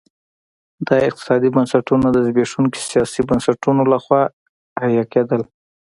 دا اقتصادي بنسټونه د زبېښونکو سیاسي بنسټونو لخوا حیه کېدل.